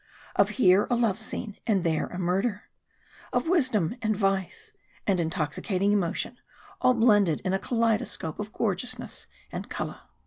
Of here a love scene, and there a murder. Of wisdom and vice, and intoxicating emotion, all blended in a kaleidoscope of gorgeousness and colour.